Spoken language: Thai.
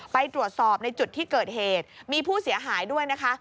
ไปตรวจสอบในจุดที่เกิดเหตุมีผู้เสียหายด้วยนะคะ